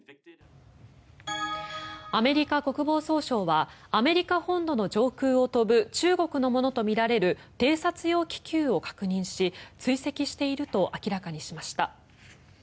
アメリカ国防総省はアメリカ本土の上空を飛ぶ中国のものとみられる偵察用気球を確認し追跡していると明らかにしました。